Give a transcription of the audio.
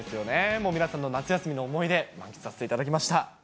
もう皆さんの夏休みの思い出、満喫させていただきました。